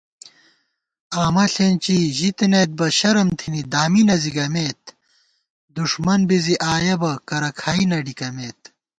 آمہ ݪېنچی ژِتَنَئیت بہ شرم تھِنی دامی نہ زِگَمېت * دُݭمن بی زی آیَہ بہ کرہ کھائی نہ ڈِکَمېت